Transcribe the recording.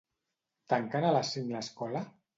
Tanquen a les cinc l'escola?